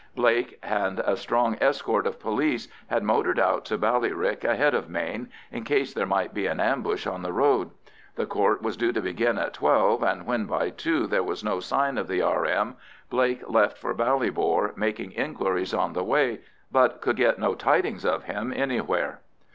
Blake and a strong escort of police had motored out to Ballyrick ahead of Mayne, in case there might be an ambush on the road. The Court was due to begin at twelve, and when by two there was no sign of the R.M., Blake left for Ballybor, making inquiries on the way, but could get no tidings of him anywhere.